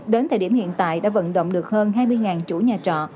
đến thời điểm hiện tại đã vận động được hơn hai mươi chủ nhà trọ